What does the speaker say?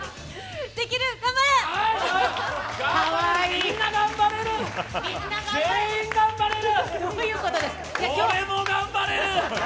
みんな頑張れる、全員頑張れる！